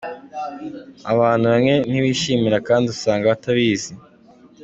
Abantu bamwe ntibishimirwa kandi usanga batabizi.